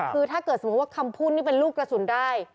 คือถ้าเกิดสมมุติว่าคำพูดนี่เป็นลูกกระสุนได้